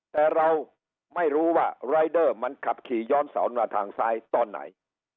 แต่เราไม่รู้ว่ารายเดอร์มันขับขี่ย้อนสอนมาทางซ้ายตอนไหน